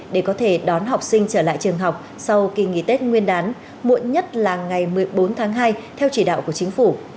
để có thể đón học sinh trở lại trường học sau kỳ nghỉ tết nguyên đán muộn nhất là ngày một mươi bốn tháng hai theo chỉ đạo của chính phủ